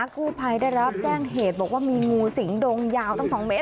กู้ภัยได้รับแจ้งเหตุบอกว่ามีงูสิงดงยาวตั้ง๒เมตร